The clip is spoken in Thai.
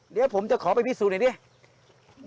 เดี๋ยวผมจะขอไปพิสูจน์เลยที่